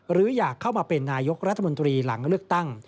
หรืออยากเข้ามาเป็นนายกรัฐมนตรีหลังเลือกตั้ง